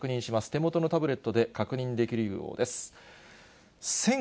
手元のタブレットで確認できるようです。